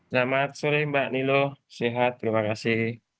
selamat sore mbak nilo sehat terima kasih